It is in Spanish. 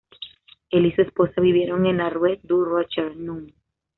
Él y su esposa vivieron en la rue du Rocher, Num.